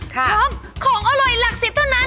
พร้อมของอร่อยหลักสิบเท่านั้น